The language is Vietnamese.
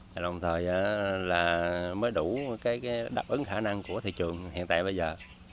và đồng thời là mới đủ cái đáp ứng khả năng của thị trường hiện tại bây giờ